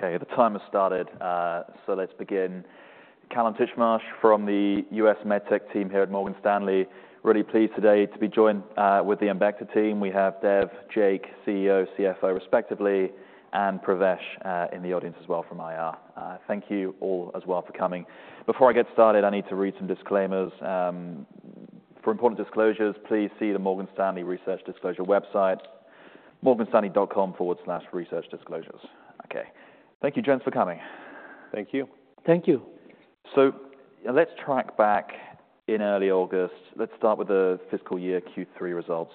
Great. Okay, the time has started, so let's begin. Kallum Titchmarsh from the U.S. MedTech team here at Morgan Stanley. Really pleased today to be joined with the Embecta team. We have Dev, Jake, CEO, CFO respectively, and Pravesh in the audience as well from IR. Thank you all as well for coming. Before I get started, I need to read some disclaimers. For important disclosures, please see the Morgan Stanley Research Disclosure website, morganstanley.com/researchdisclosures. Okay. Thank you, gents, for coming. Thank you. Thank you. So let's track back in early August. Let's start with the fiscal year Q3 results.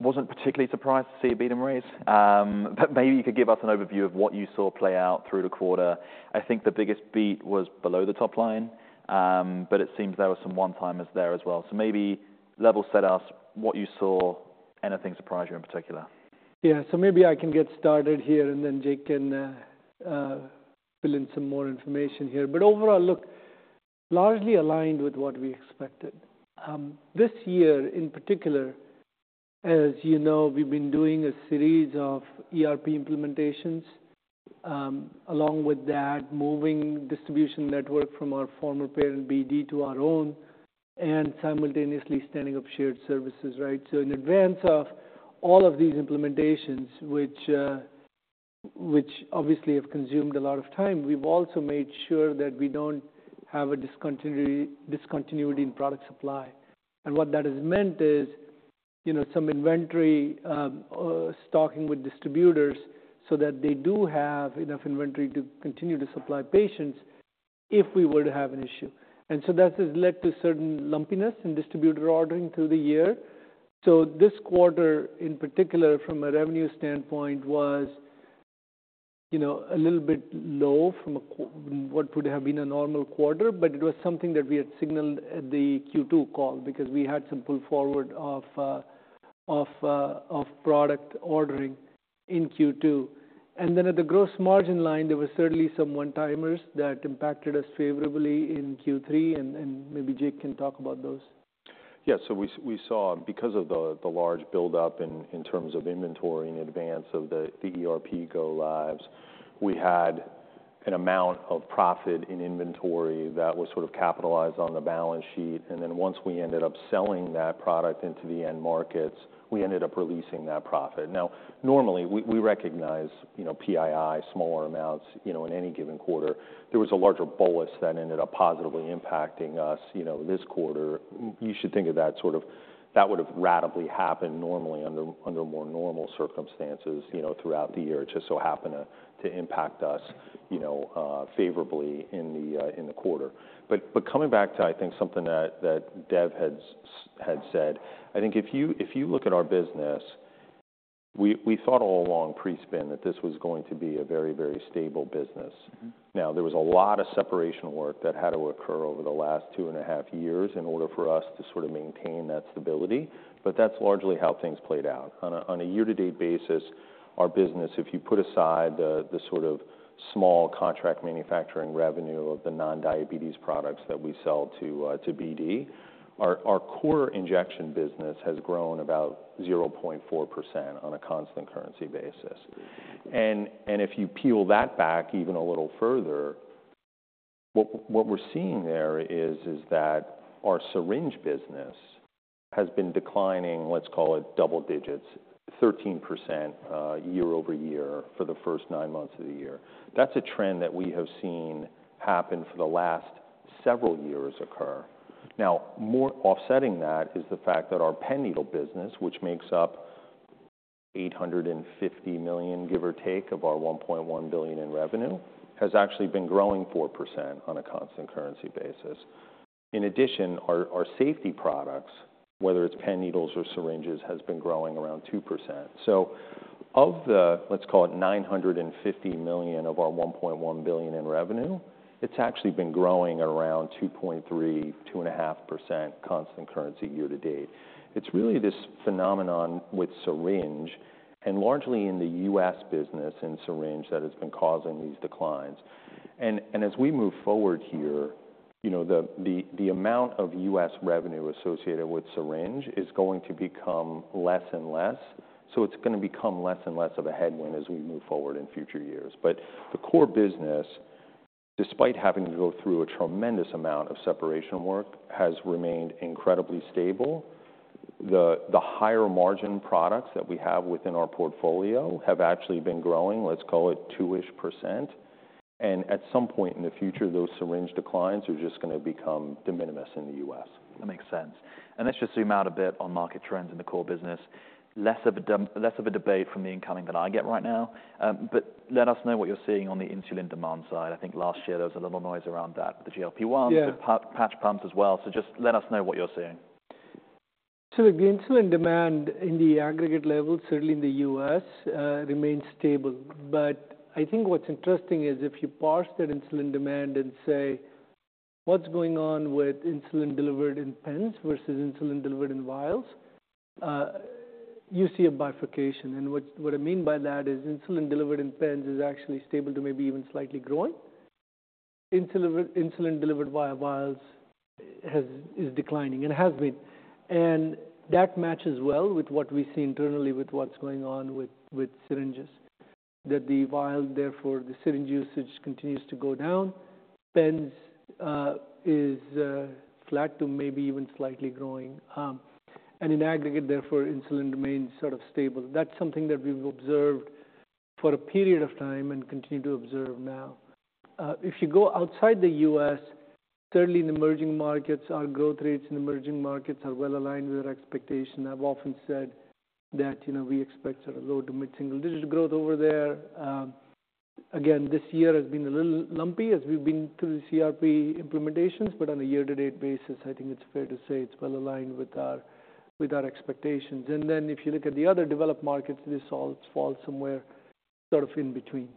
Wasn't particularly surprised to see a beat and raise, but maybe you could give us an overview of what you saw play out through the quarter. I think the biggest beat was below the top line, but it seems there were some one-timers there as well. So maybe level set us what you saw. Anything surprise you in particular? Yeah, so maybe I can get started here, and then Jake can fill in some more information here. But overall, look, largely aligned with what we expected. This year in particular, as you know, we've been doing a series of ERP implementations. Along with that, moving distribution network from our former parent, BD, to our own, and simultaneously standing up shared services, right? So in advance of all of these implementations, which obviously have consumed a lot of time, we've also made sure that we don't have a discontinuity in product supply. And what that has meant is, you know, some inventory stocking with distributors so that they do have enough inventory to continue to supply patients if we were to have an issue. And so that has led to certain lumpiness in distributor ordering through the year. This quarter, in particular, from a revenue standpoint, was, you know, a little bit low from what would have been a normal quarter, but it was something that we had signaled at the Q2 call because we had some pull forward of product ordering in Q2, then at the gross margin line, there was certainly some one-timers that impacted us favorably in Q3, and maybe Jake can talk about those. Yeah, so we saw because of the large buildup in terms of inventory in advance of the ERP go lives, we had an amount of profit in inventory that was sort of capitalized on the balance sheet, and then once we ended up selling that product into the end markets, we ended up releasing that profit. Now, normally, we recognize, you know, PII, smaller amounts, you know, in any given quarter. There was a larger bolus that ended up positively impacting us, you know, this quarter. You should think of that sort of, that would've ratably happened normally under more normal circumstances, you know, throughout the year. It just so happened to impact us, you know, favorably in the quarter. But coming back to, I think, something that Dev had said, I think if you look at our business, we thought all along pre-spin that this was going to be a very, very stable business. Mm-hmm. Now, there was a lot of separation work that had to occur over the last two and a half years in order for us to sort of maintain that stability, but that's largely how things played out. On a year-to-date basis, our business, if you put aside the sort of small contract manufacturing revenue of the non-diabetes products that we sell to BD, our core injection business has grown about 0.4% on a constant currency basis. And if you peel that back even a little further, what we're seeing there is that our syringe business has been declining, let's call it double digits, 13%, year-over-year for the first nine months of the year. That's a trend that we have seen happen for the last several years occur. Now, more offsetting that is the fact that our pen needle business, which makes up $850 million, give or take, of our $1.1 billion in revenue, has actually been growing 4% on a constant currency basis. In addition, our, our safety products, whether it's pen needles or syringes, has been growing around 2%. So of the, let's call it $950 million of our $1.1 billion in revenue, it's actually been growing around 2.3%-2.5% constant currency year to date. It's really this phenomenon with syringe, and largely in the U.S. business in syringe, that has been causing these declines. As we move forward here, you know, the amount of U.S. revenue associated with syringe is going to become less and less, so it's gonna become less and less of a headwind as we move forward in future years, but the core business, despite having to go through a tremendous amount of separation work, has remained incredibly stable. The higher margin products that we have within our portfolio have actually been growing, let's call it two-ish%, and at some point in the future, those syringe declines are just gonna become de minimis in the U.S. That makes sense, and let's just zoom out a bit on market trends in the core business. Less of a debate from the incoming than I get right now, but let us know what you're seeing on the insulin demand side. I think last year there was a little noise around that, the GLP-1- Yeah Patch pumps as well. So just let us know what you're seeing. So the insulin demand in the aggregate level, certainly in the U.S., remains stable. But I think what's interesting is if you parse that insulin demand and say: What's going on with insulin delivered in pens versus insulin delivered in vials? You see a bifurcation. And what I mean by that is insulin delivered in pens is actually stable to maybe even slightly growing.... insulin delivered via vials is declining and has been. And that matches well with what we see internally with what's going on with syringes. That the vial, therefore the syringe usage continues to go down. Pens is flat to maybe even slightly growing. And in aggregate, therefore, insulin remains sort of stable. That's something that we've observed for a period of time and continue to observe now. If you go outside the U.S., certainly in emerging markets, our growth rates in emerging markets are well aligned with our expectation. I've often said that, you know, we expect sort of low to mid-single-digit growth over there. Again, this year has been a little lumpy as we've been through the ERP implementations, but on a year-to-date basis, I think it's fair to say it's well aligned with our expectations. And then, if you look at the other developed markets, this all falls somewhere sort of in between.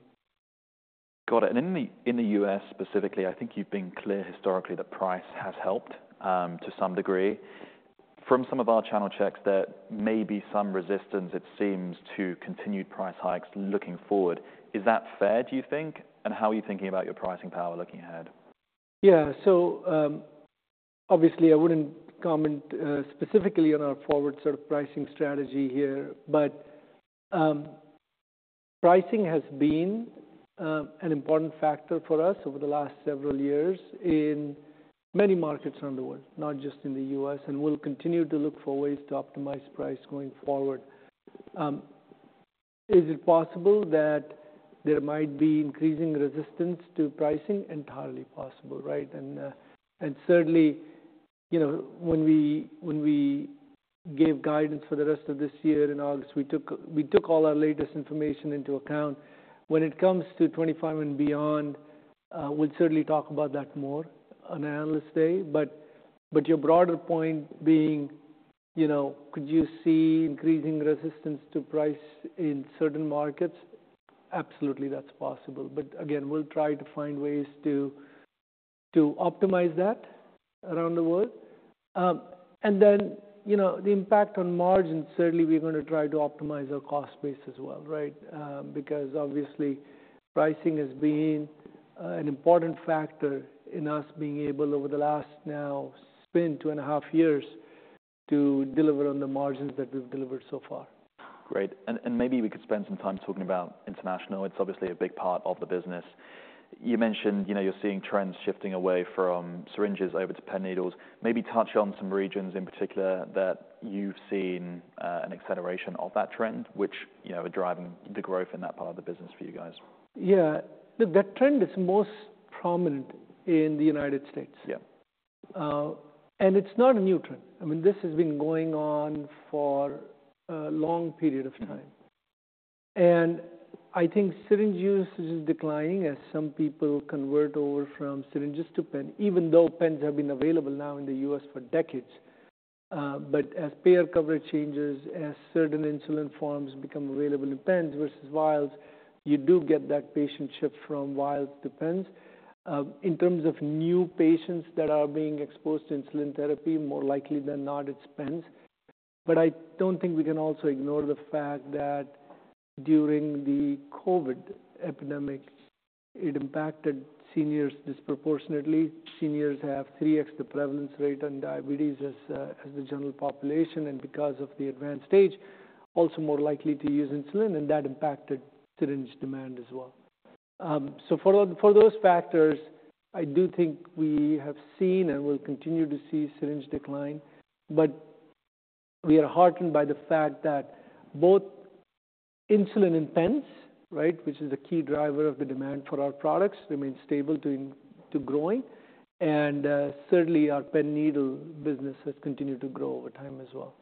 Got it. And in the U.S. specifically, I think you've been clear historically that price has helped to some degree. From some of our channel checks, there may be some resistance, it seems, to continued price hikes looking forward. Is that fair, do you think? And how are you thinking about your pricing power looking ahead? Yeah. So, obviously, I wouldn't comment specifically on our forward sort of pricing strategy here, but pricing has been an important factor for us over the last several years in many markets around the world, not just in the U.S., and we'll continue to look for ways to optimize price going forward. Is it possible that there might be increasing resistance to pricing? Entirely possible, right. And certainly, you know, when we gave guidance for the rest of this year in August, we took all our latest information into account. When it comes to twenty-five and beyond, we'll certainly talk about that more on Analyst Day. But your broader point being, you know, could you see increasing resistance to price in certain markets? Absolutely, that's possible. But again, we'll try to find ways to optimize that around the world. And then, you know, the impact on margins, certainly we're gonna try to optimize our cost base as well, right? Because obviously, pricing has been an important factor in us being able, over the last two and a half years, to deliver on the margins that we've delivered so far. Great. Maybe we could spend some time talking about international. It's obviously a big part of the business. You mentioned, you know, you're seeing trends shifting away from syringes over to pen needles. Maybe touch on some regions in particular that you've seen an acceleration of that trend, which, you know, are driving the growth in that part of the business for you guys. Yeah. That trend is most prominent in the United States. Yeah. And it's not a new trend. I mean, this has been going on for a long period of time. And I think syringe usage is declining as some people convert over from syringes to pen, even though pens have been available now in the U.S. for decades. But as payer coverage changes, as certain insulin forms become available in pens versus vials, you do get that patient shift from vials to pens. In terms of new patients that are being exposed to insulin therapy, more likely than not, it's pens. But I don't think we can also ignore the fact that during the COVID epidemic, it impacted seniors disproportionately. Seniors have 3X the prevalence rate on diabetes as the general population, and because of the advanced age, also more likely to use insulin, and that impacted syringe demand as well. So for those factors, I do think we have seen and will continue to see syringe decline, but we are heartened by the fact that both insulin and pens, right, which is a key driver of the demand for our products, remain stable to into growing. Certainly, our pen needle business has continued to grow over time as well.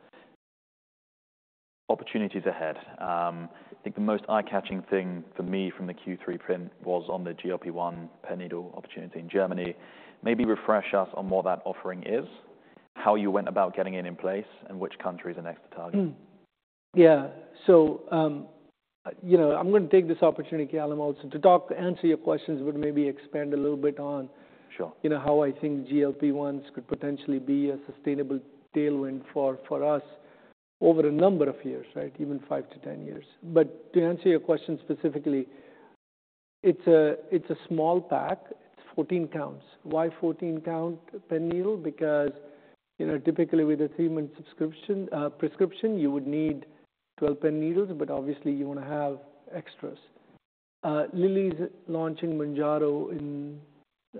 Opportunities ahead. I think the most eye-catching thing for me from the Q3 print was on the GLP-1 pen needle opportunity in Germany. Maybe refresh us on what that offering is, how you went about getting it in place, and which countries are next to target? Hmm. Yeah. So, you know, I'm gonna take this opportunity, Kallum, also to talk... Answer your questions, but maybe expand a little bit on- Sure You know, how I think GLP-1s could potentially be a sustainable tailwind for, for us over a number of years, right? Even five to ten years. But to answer your question specifically, it's a, it's a small pack. It's fourteen counts. Why fourteen count pen needle? Because, you know, typically with a three-month subscription, prescription, you would need twelve pen needles, but obviously you want to have extras. Lilly's launching Mounjaro in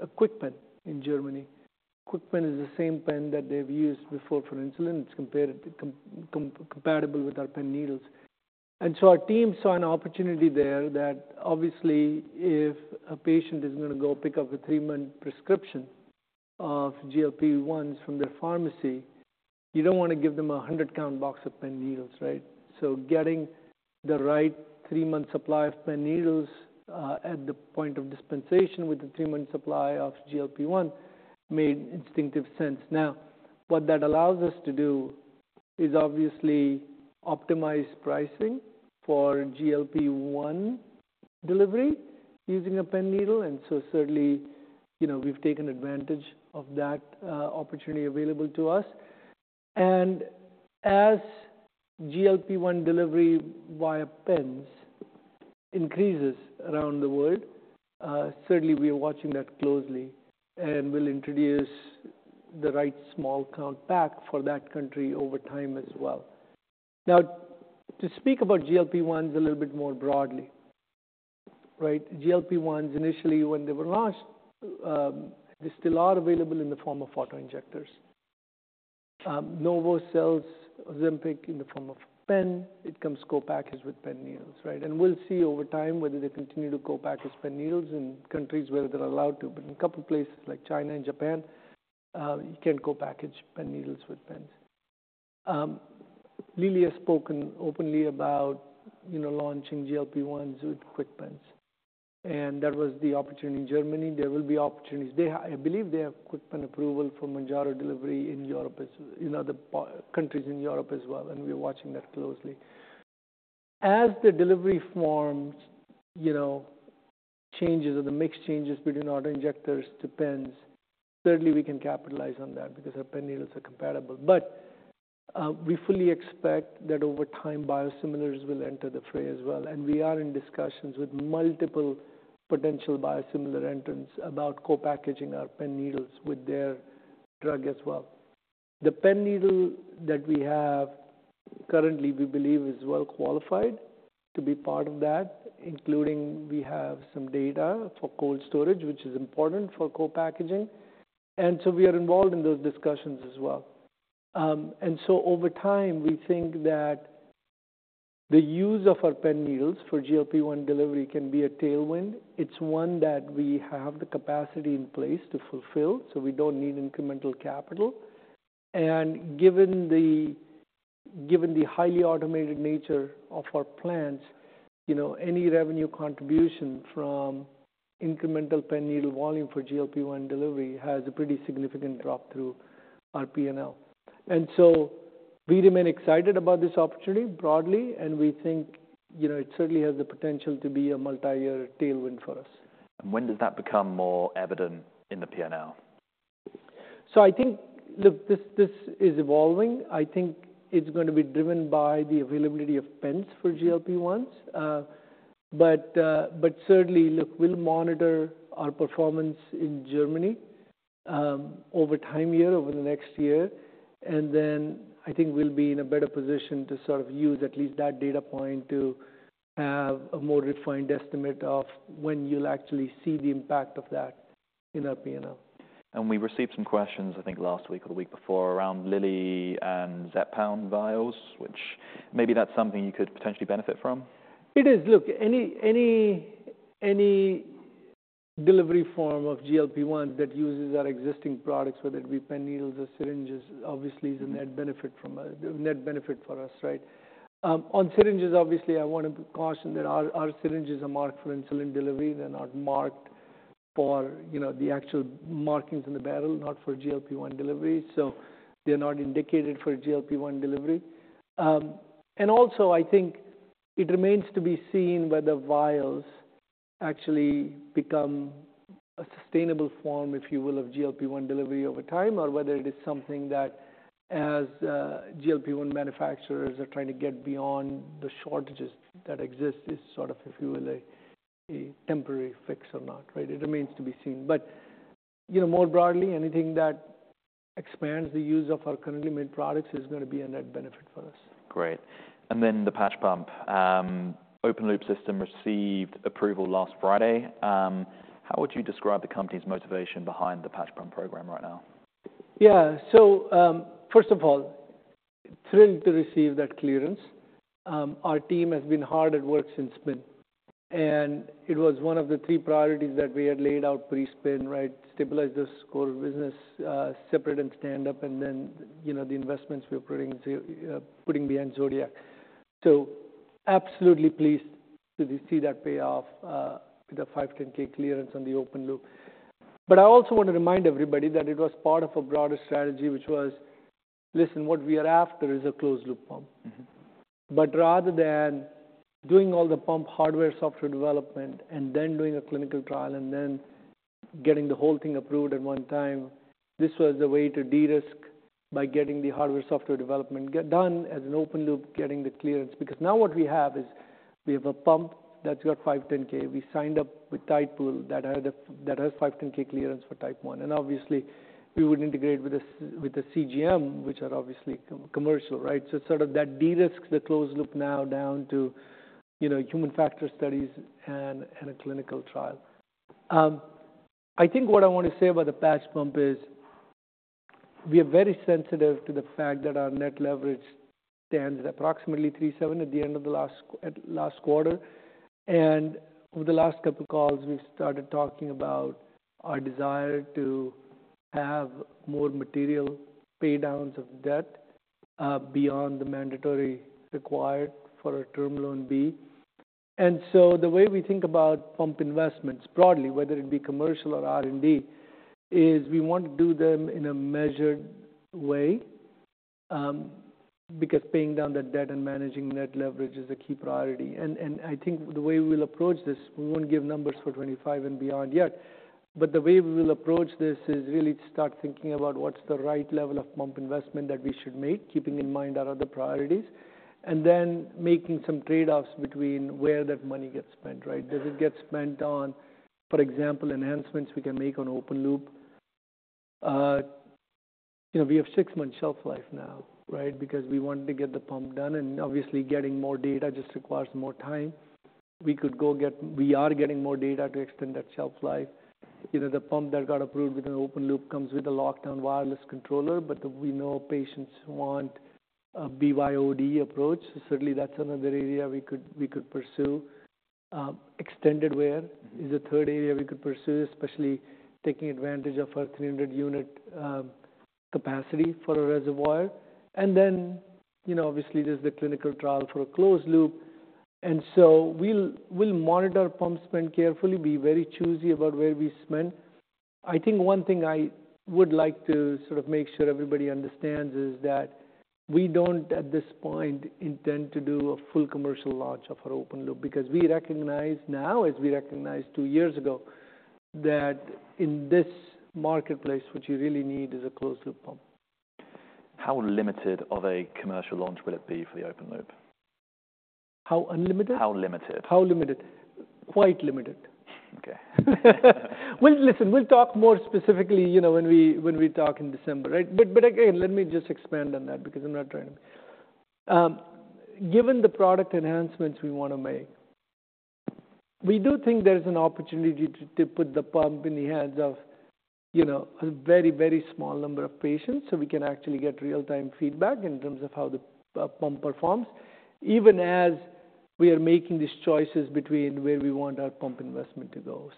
a pen in Germany. Pen is the same pen that they've used before for insulin. It's compatible with our pen needles. And so our team saw an opportunity there that obviously, if a patient is going to go pick up a three-month prescription of GLP-1s from their pharmacy, you don't want to give them a hundred-count box of pen needles, right? Getting the right three-month supply of pen needles at the point of dispensation with a three-month supply of GLP-1 made instinctive sense. Now, what that allows us to do is obviously optimize pricing for GLP-1 delivery using a pen needle, and so certainly, you know, we've taken advantage of that opportunity available to us. And as GLP-1 delivery via pens increases around the world, certainly we are watching that closely, and we'll introduce the right small count pack for that country over time as well. Now, to speak about GLP-1s a little bit more broadly, right? GLP-1s, initially, when they were launched, they still are available in the form of autoinjectors. Novo sells Ozempic in the form of pen. It comes co-packaged with pen needles, right? And we'll see over time whether they continue to co-package pen needles in countries where they're allowed to. But in a couple places like China and Japan, you can't co-package pen needles with pens. Lilly has spoken openly about, you know, launching GLP-1s with KwikPens, and that was the opportunity in Germany. There will be opportunities. They have. I believe they have KwikPen approval for Mounjaro delivery in Europe as in other countries in Europe as well, and we are watching that closely. As the delivery forms, you know, changes or the mix changes between autoinjectors to pens, certainly we can capitalize on that because our pen needles are compatible. But, we fully expect that over time, biosimilars will enter the fray as well, and we are in discussions with multiple potential biosimilar entrants about co-packaging our pen needles with their drug as well. The pen needle that we have currently, we believe is well qualified to be part of that, including we have some data for cold storage, which is important for co-packaging, and so we are involved in those discussions as well. And so over time, we think that the use of our pen needles for GLP-1 delivery can be a tailwind. It's one that we have the capacity in place to fulfill, so we don't need incremental capital. And given the highly automated nature of our plants, you know, any revenue contribution from incremental pen needle volume for GLP-1 delivery has a pretty significant drop through our P&L. And so we remain excited about this opportunity broadly, and we think, you know, it certainly has the potential to be a multi-year tailwind for us. When does that become more evident in the P&L? So I think, look, this is evolving. I think it's going to be driven by the availability of pens for GLP-1s. But certainly, look, we'll monitor our performance in Germany over time here, over the next year, and then I think we'll be in a better position to sort of use at least that data point to have a more refined estimate of when you'll actually see the impact of that in our P&L. We received some questions, I think, last week or the week before, around Lilly and Zepbound vials, which maybe that's something you could potentially benefit from? It is. Look, any delivery form of GLP-1 that uses our existing products, whether it be pen needles or syringes, obviously is a net benefit, a net benefit for us, right? On syringes, obviously, I want to caution that our syringes are marked for insulin delivery. They're not marked for, you know, the actual markings in the barrel, not for GLP-1 delivery, so they're not indicated for GLP-1 delivery, and also, I think it remains to be seen whether vials actually become a sustainable form, if you will, of GLP-1 delivery over time, or whether it is something that as GLP-1 manufacturers are trying to get beyond the shortages that exist, is sort of, if you will, a temporary fix or not, right? It remains to be seen. But, you know, more broadly, anything that expands the use of our currently made products is gonna be a net benefit for us. Great. And then the patch pump, open loop system received approval last Friday. How would you describe the company's motivation behind the patch pump program right now? Yeah. So, first of all, thrilled to receive that clearance. Our team has been hard at work since spin, and it was one of the three priorities that we had laid out pre-spin, right? Stabilize this core business, separate and stand up, and then, you know, the investments we're putting into putting behind Zodiac. So absolutely pleased to see that pay off with a 510(k) clearance on the open loop. But I also want to remind everybody that it was part of a broader strategy, which was, listen, what we are after is a closed loop pump. Mm-hmm. But rather than doing all the pump hardware, software development and then doing a clinical trial and then getting the whole thing approved at one time, this was a way to de-risk by getting the hardware, software development get done as an open loop, getting the clearance. Because now what we have is, we have a pump that's got 510(k). We signed up with Tidepool, that has 510(k) clearance for Type 1, and obviously we would integrate with the CGM, which are obviously commercial, right? So sort of that de-risks the closed loop now down to, you know, human factors studies and a clinical trial. I think what I want to say about the patch pump is we are very sensitive to the fact that our net leverage stands at approximately 3.7 at the end of the last quarter. Over the last couple calls, we've started talking about our desire to have more material pay downs of debt, beyond the mandatory required for our Term Loan B. So the way we think about pump investments broadly, whether it be commercial or R&D, is we want to do them in a measured way, because paying down that debt and managing net leverage is a key priority. I think the way we'll approach this, we won't give numbers for 2025 and beyond yet, but the way we will approach this is really to start thinking about what's the right level of pump investment that we should make, keeping in mind our other priorities, and then making some trade-offs between where that money gets spent, right? Does it get spent on, for example, enhancements we can make on open loop? You know, we have six-month shelf life now, right? Because we wanted to get the pump done, and obviously, getting more data just requires more time. We could go get. We are getting more data to extend that shelf life. You know, the pump that got approved with an open loop comes with a lockdown wireless controller, but we know patients want a BYOD approach. Certainly, that's another area we could pursue. Extended wear is a third area we could pursue, especially taking advantage of our 300-unit capacity for a reservoir, and then, you know, obviously, there's the clinical trial for a closed loop, and so we'll monitor pump spend carefully, be very choosy about where we spend. I think one thing I would like to sort of make sure everybody understands is that we don't, at this point, intend to do a full commercial launch of our open loop because we recognize now, as we recognized two years ago, that in this marketplace, what you really need is a closed loop pump. How limited of a commercial launch will it be for the open loop? How unlimited? How limited? How limited? Quite limited. Okay. Listen, we'll talk more specifically, you know, when we talk in December, right? Again, let me just expand on that because I'm not trying to... Given the product enhancements we wanna make, we do think there's an opportunity to put the pump in the hands of, you know, a very, very small number of patients, so we can actually get real-time feedback in terms of how the pump performs, even as we are making these choices between where we want our pump investment to go.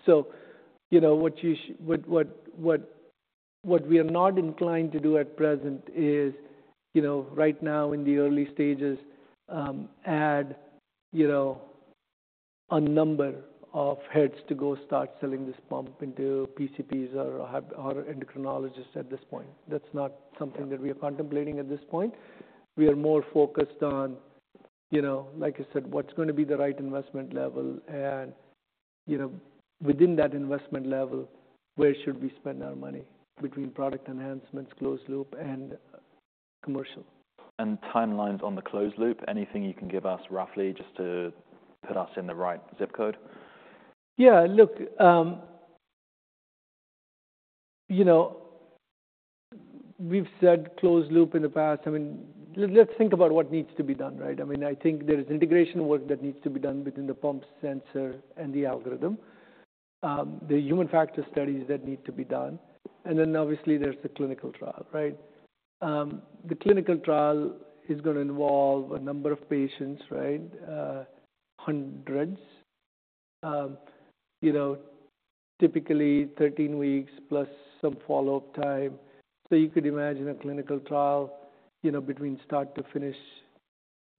You know, what we are not inclined to do at present is, you know, right now in the early stages, add, you know, a number of heads to go start selling this pump into PCPs or endocrinologists at this point. That's not something that we are contemplating at this point. We are more focused on, you know, like I said, what's gonna be the right investment level and, you know, within that investment level, where should we spend our money between product enhancements, closed loop, and commercial? Timelines on the closed loop, anything you can give us roughly just to put us in the right zip code? Yeah, look, you know, we've said closed loop in the past. I mean, let's think about what needs to be done, right? I mean, I think there is integration work that needs to be done between the pump sensor and the algorithm, the human factors studies that need to be done, and then obviously there's the clinical trial, right? The clinical trial is gonna involve a number of patients, right? Hundreds, you know, typically 13 weeks plus some follow-up time. So you could imagine a clinical trial, you know, between start to finish,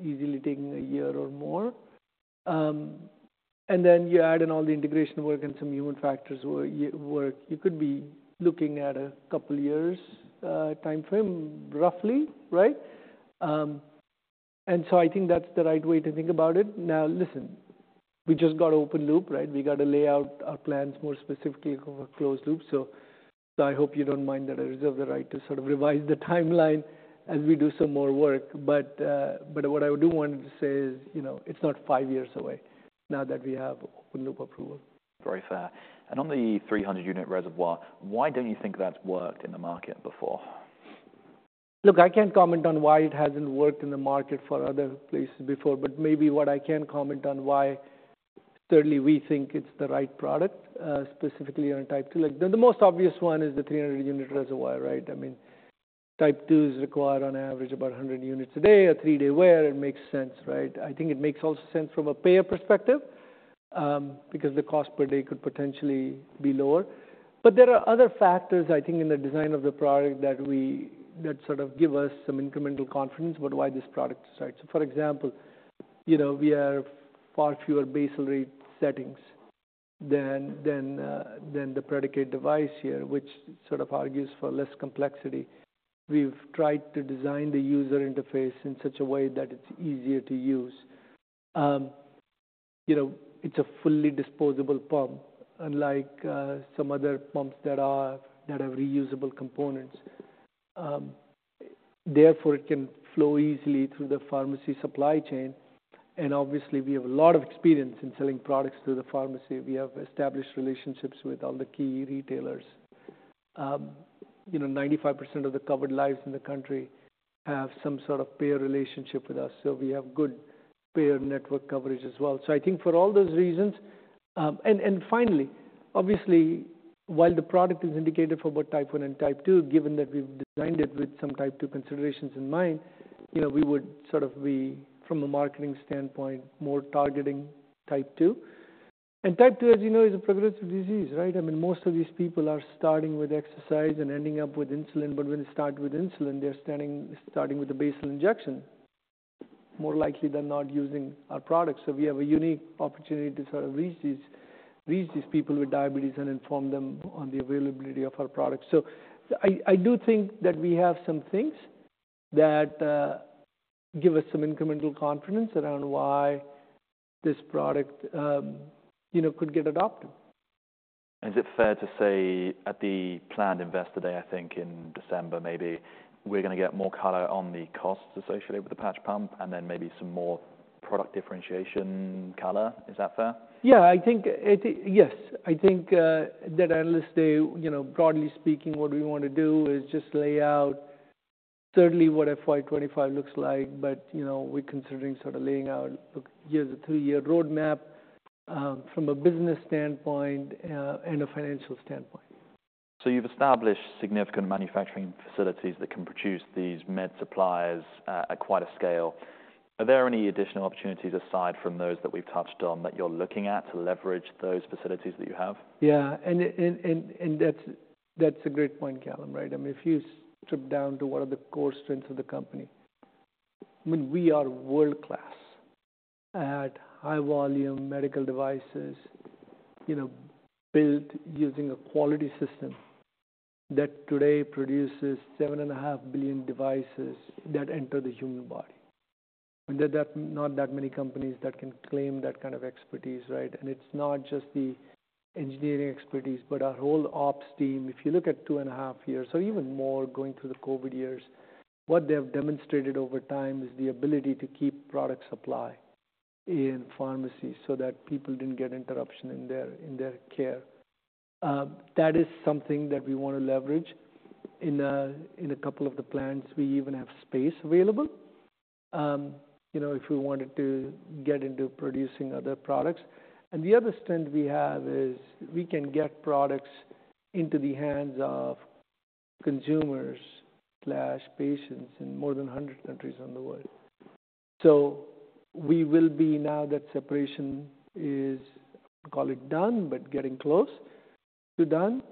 easily taking a year or more. And then you add in all the integration work and some human factors work, you could be looking at a couple years timeframe, roughly, right? And so I think that's the right way to think about it. Now, listen, we just got open loop, right? We got to lay out our plans more specifically for closed loop. So, so I hope you don't mind that I reserve the right to sort of revise the timeline as we do some more work. But, but what I do want to say is, you know, it's not five years away now that we have open loop approval. Very fair. And on the 300-unit reservoir, why don't you think that's worked in the market before? Look, I can't comment on why it hasn't worked in the market for other places before, but maybe what I can comment on why certainly we think it's the right product, specifically on Type 2. Like, the most obvious one is the 300-unit reservoir, right? I mean, Type 2 is required on average, about 100 units a day, a 3-day wear. It makes sense, right? I think it makes also sense from a payer perspective, because the cost per day could potentially be lower. But there are other factors, I think, in the design of the product that sort of give us some incremental confidence about why this product starts. For example, you know, we have far fewer basal rate settings than the predicate device here, which sort of argues for less complexity. We've tried to design the user interface in such a way that it's easier to use. You know, it's a fully disposable pump, unlike some other pumps that have reusable components. Therefore, it can flow easily through the pharmacy supply chain, and obviously, we have a lot of experience in selling products to the pharmacy. We have established relationships with all the key retailers. You know, 95% of the covered lives in the country have some sort of payer relationship with us, so we have good payer network coverage as well, so I think for all those reasons and finally, obviously, while the product is indicated for both Type 1 and Type 2, given that we've designed it with some Type 2 considerations in mind, you know, we would sort of be, from a marketing standpoint, more targeting Type 2. Type 2, as you know, is a progressive disease, right? I mean, most of these people are starting with exercise and ending up with insulin, but when they start with insulin, they're starting with a basal injection, more likely than not using our products. So we have a unique opportunity to sort of reach these people with diabetes and inform them on the availability of our products. So I do think that we have some things that give us some incremental confidence around why this product, you know, could get adopted. Is it fair to say at the planned Investor Day, I think in December, maybe, we're gonna get more color on the costs associated with the patch pump, and then maybe some more product differentiation color? Is that fair? Yeah, I think that Analyst Day, you know, broadly speaking, what we want to do is just lay out certainly what FY twenty-five looks like, but, you know, we're considering sort of laying out here's a three-year roadmap, from a business standpoint, and a financial standpoint. So you've established significant manufacturing facilities that can produce these med supplies at quite a scale. Are there any additional opportunities aside from those that we've touched on, that you're looking at to leverage those facilities that you have? Yeah, and that's a great point, Kallum, right? I mean, if you strip down to what are the core strengths of the company, I mean, we are world-class at high-volume medical devices, you know, built using a quality system that today produces 7.5 billion devices that enter the human body. And there are not that many companies that can claim that kind of expertise, right? And it's not just the engineering expertise, but our whole ops team. If you look at 2.5 years, or even more, going through the COVID years, what they have demonstrated over time is the ability to keep product supply in pharmacies so that people didn't get interruption in their care. That is something that we want to leverage. In a couple of the plants, we even have space available, you know, if we wanted to get into producing other products. And the other strength we have is we can get products into the hands of consumers/patients in more than a hundred countries in the world. So we will be, now that separation is, call it done, but getting close to done,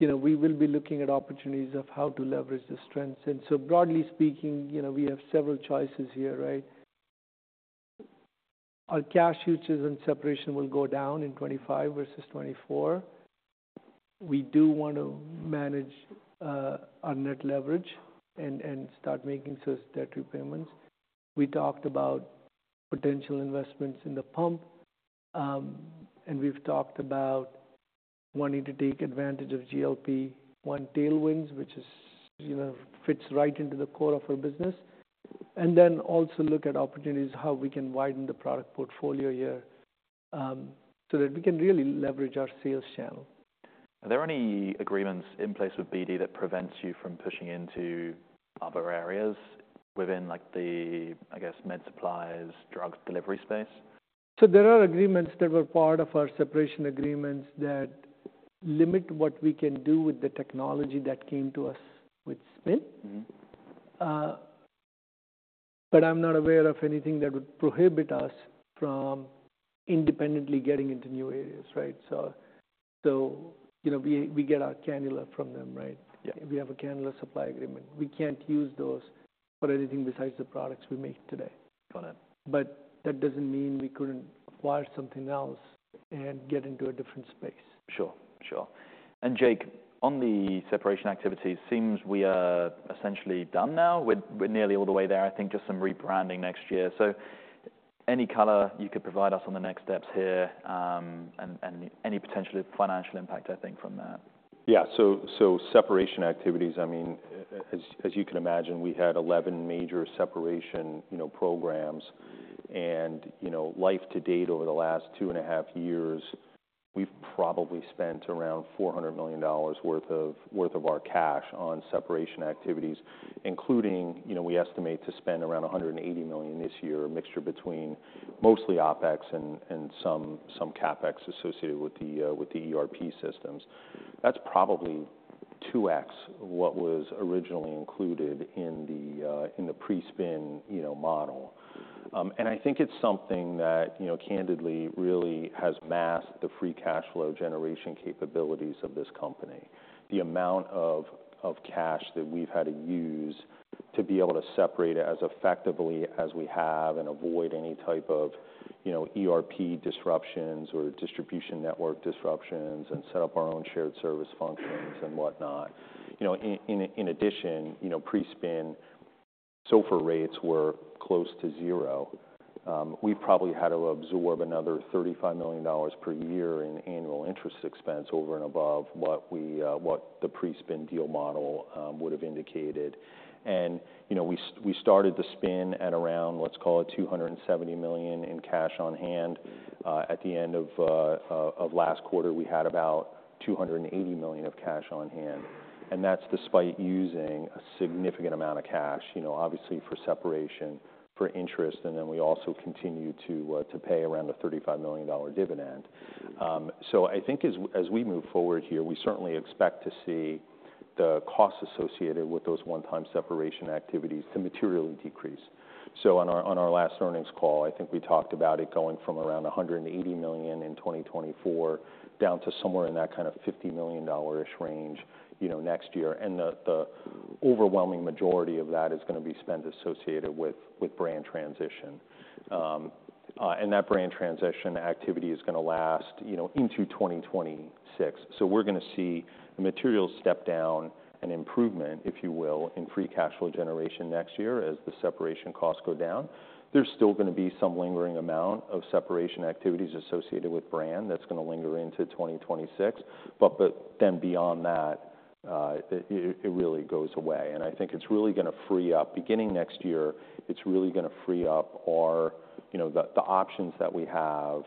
you know, we will be looking at opportunities of how to leverage the strengths. And so broadly speaking, you know, we have several choices here, right? Our cash uses and separation will go down in 2025 versus 2024. We do want to manage our net leverage and start making some debt repayments. We talked about potential investments in the pump, and we've talked about wanting to take advantage of GLP-1 tailwinds, which is, you know, fits right into the core of our business. And then also look at opportunities, how we can widen the product portfolio here, so that we can really leverage our sales channel. Are there any agreements in place with BD that prevent you from pushing into other areas within, like, the, I guess, med supplies, drug delivery space? So there are agreements that were part of our separation agreements that limit what we can do with the technology that came to us with spin. Mm-hmm. But I'm not aware of anything that would prohibit us from independently getting into new areas, right? So, you know, we get our cannula from them, right? Yeah. We have a cannula supply agreement. We can't use those for anything besides the products we make today. Got it. But that doesn't mean we couldn't acquire something else and get into a different space. Sure, sure. And Jake, on the separation activities, seems we are essentially done now. We're nearly all the way there, I think just some rebranding next year. So any color you could provide us on the next steps here, and any potential financial impact, I think, from that? Yeah, so separation activities, I mean, as you can imagine, we had 11 major separation, you know, programs. And, you know, life to date, over the last two and a half years, we've probably spent around $400 million worth of our cash on separation activities, including, you know, we estimate to spend around $180 million this year, a mixture between mostly OpEx and some CapEx associated with the ERP systems. That's probably two X what was originally included in the pre-spin, you know, model. And I think it's something that, you know, candidly, really has masked the free cash flow generation capabilities of this company. The amount of cash that we've had to use to be able to separate as effectively as we have and avoid any type of, you know, ERP disruptions or distribution network disruptions and set up our own shared service functions and whatnot. You know, in addition, you know, pre-spin SOFR rates were close to zero. We probably had to absorb another $35 million per year in annual interest expense over and above what the pre-spin deal model would have indicated. You know, we started the spin at around, let's call it, $270 million in cash on hand. At the end of last quarter, we had about $280 million of cash on hand, and that's despite using a significant amount of cash, you know, obviously, for separation, for interest, and then we also continued to pay around a $35 million dividend. I think as we move forward here, we certainly expect to see the costs associated with those one-time separation activities to materially decrease. On our last earnings call, I think we talked about it going from around $180 million in 2024, down to somewhere in that kind of $50 million-ish range, you know, next year. The overwhelming majority of that is gonna be spend associated with brand transition. and that BD transition activity is going to last, you know, into twenty twenty-six. So we're going to see a material step down and improvement, if you will, in free cash flow generation next year as the separation costs go down. There's still going to be some lingering amount of separation activities associated with BD that's going to linger into twenty twenty-six, but then beyond that, it really goes away. And I think it's really going to free up, beginning next year, it's really going to free up our, you know, the options that we have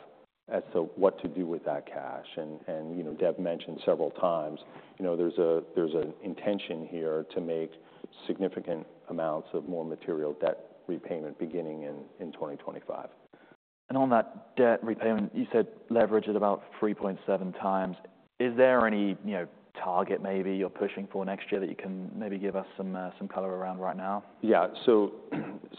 as to what to do with that cash. And, and, you know, Dev mentioned several times, you know, there's an intention here to make significant amounts of more material debt repayment beginning in twenty twenty-five. On that debt repayment, you said leverage is about three point seven times. Is there any, you know, target maybe you're pushing for next year that you can maybe give us some color around right now? Yeah. So,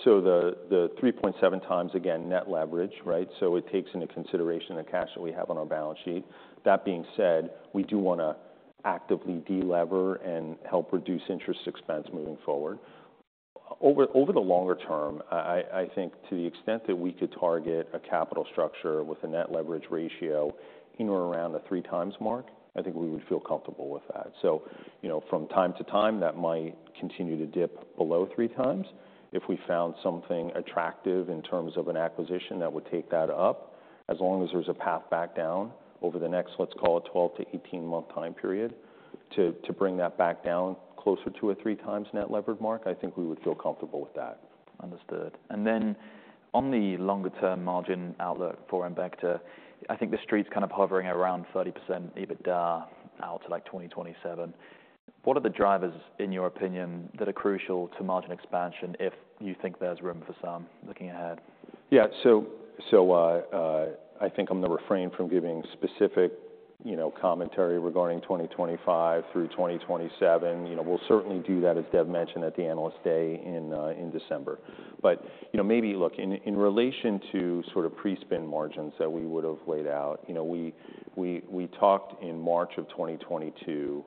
the three point seven times, again, net leverage, right? So it takes into consideration the cash that we have on our balance sheet. That being said, we do want to actively de-lever and help reduce interest expense moving forward. Over the longer term, I think to the extent that we could target a capital structure with a net leverage ratio in or around the three times mark, I think we would feel comfortable with that. So, you know, from time to time, that might continue to dip below three times. If we found something attractive in terms of an acquisition, that would take that up, as long as there's a path back down over the next, let's call it, twelve to eighteen-month time period, to, to bring that back down closer to a three times net levered mark, I think we would feel comfortable with that. Understood, and then on the longer-term margin outlook for Embecta, I think the Street's kind of hovering around 30% EBITDA out to, like, 2027. What are the drivers, in your opinion, that are crucial to margin expansion, if you think there's room for some, looking ahead? Yeah, so I think I'm going to refrain from giving specific, you know, commentary regarding twenty twenty-five through twenty twenty-seven. You know, we'll certainly do that, as Dev mentioned, at the Analyst Day in December. But, you know, maybe... Look, in relation to sort of pre-spin margins that we would've laid out, you know, we talked in March of twenty twenty-two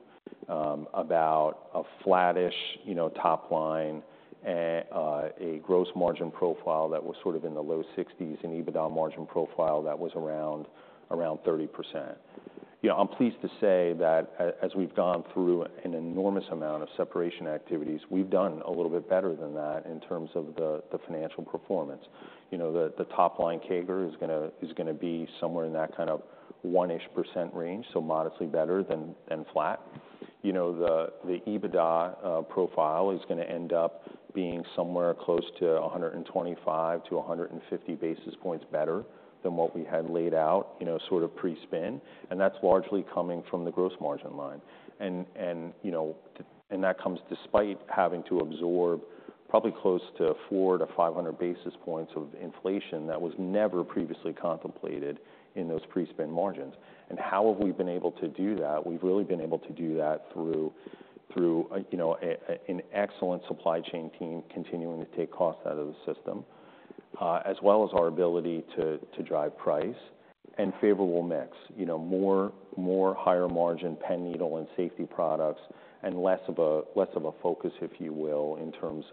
about a flattish, you know, top line and a gross margin profile that was sort of in the low sixties, and EBITDA margin profile that was around 30%. You know, I'm pleased to say that as we've gone through an enormous amount of separation activities, we've done a little bit better than that in terms of the financial performance. You know, the top line CAGR is gonna be somewhere in that kind of one-ish % range, so modestly better than flat. You know, the EBITDA profile is gonna end up being somewhere close to 125-150 basis points better than what we had laid out, you know, sort of pre-spin, and that's largely coming from the gross margin line, and that comes despite having to absorb probably close to 400-500 basis points of inflation that was never previously contemplated in those pre-spin margins. How have we been able to do that? We've really been able to do that through a, you know, an excellent supply chain team continuing to take costs out of the system, as well as our ability to drive price and favorable mix. You know, more higher margin pen needle and safety products, and less of a focus, if you will, in terms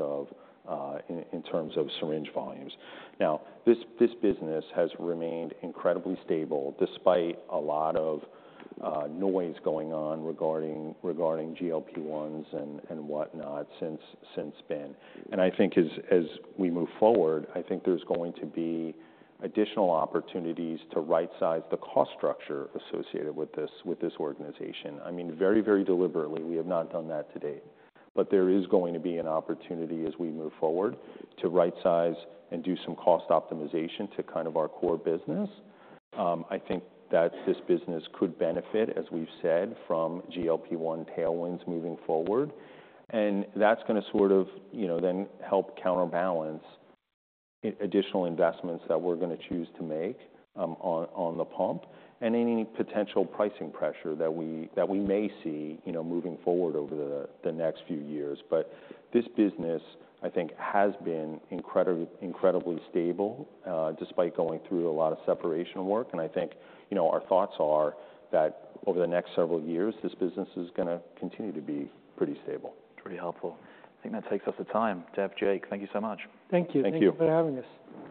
of syringe volumes. Now, this business has remained incredibly stable, despite a lot of noise going on regarding GLP-1s and whatnot, since spin. And I think as we move forward, I think there's going to be additional opportunities to rightsize the cost structure associated with this organization. I mean, very deliberately, we have not done that to date. But there is going to be an opportunity as we move forward to rightsize and do some cost optimization to kind of our core business. I think that this business could benefit, as we've said, from GLP-1 tailwinds moving forward, and that's going to sort of, you know, then help counterbalance additional investments that we're going to choose to make, on the pump, and any potential pricing pressure that we may see, you know, moving forward over the next few years. But this business, I think, has been incredibly, incredibly stable, despite going through a lot of separation work. And I think, you know, our thoughts are that over the next several years, this business is gonna continue to be pretty stable. Pretty helpful. I think that takes us to time. Dev, Jake, thank you so much. Thank you. Thank you. Thank you for having us.